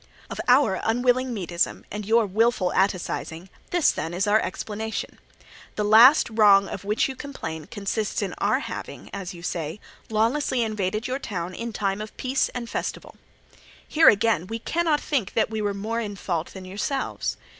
"Of our unwilling Medism and your wilful Atticizing this then is our explanation. The last wrong wrong of which you complain consists in our having, as you say, lawlessly invaded your town in time of peace and festival. Here again we cannot think that we were more in fault than yourselves.